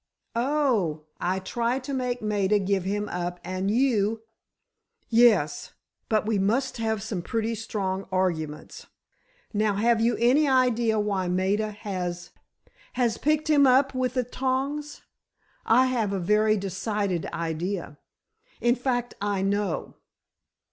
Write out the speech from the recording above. "Oh—I try to make Maida give him up—and you——" "Yes; but we must have some pretty strong arguments. Now, have you any idea why Maida has——" "Has picked him up with the tongs? I have a very decided idea! In fact, I know."